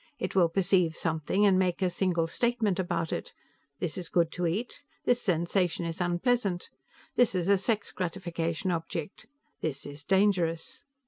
It will perceive something and make a single statement about it this is good to eat, this sensation is unpleasant, this is a sex gratification object, this is dangerous.